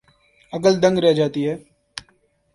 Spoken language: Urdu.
عقل دنگ رہ جاتی ہے۔